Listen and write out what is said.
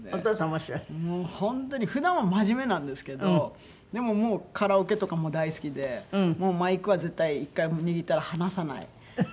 もう本当に普段は真面目なんですけどでももうカラオケとかも大好きでもうマイクは絶対１回握ったら離さない。